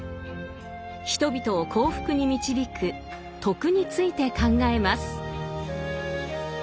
人々を幸福に導く「徳」について考えます。